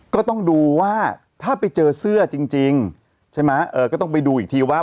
ก็ต้องดูว่าถ้าไปเจอเสื้อจริงใช่ไหมเออก็ต้องไปดูอีกทีว่า